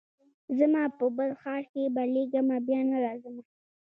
ځمه په بل ښار کي بلېږمه بیا نه راځمه